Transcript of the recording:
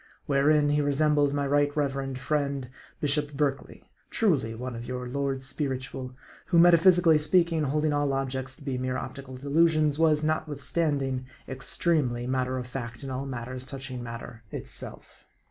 Wherein, he resembled my Right Reverend friend, Bishop Berkeley truly, one of your lords spiritual who, metaphysically speaking, holding all objects to be mere optical delusions, was, notwithstand ing, extremely matter of fact in all matters touching matter itself.